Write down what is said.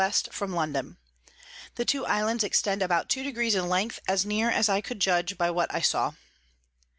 West from London. The two Islands extend about two Degrees in Length, as near as I could judg by what I saw.